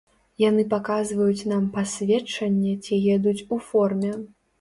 Яны паказваюць нам пасведчанне ці едуць у форме.